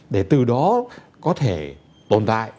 để từ đó có thể tồn tại